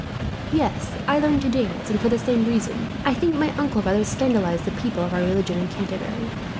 "Yes, I learned to dance, and for the same reason. I think my uncle rather scandalized the people of our religion in Canterbury.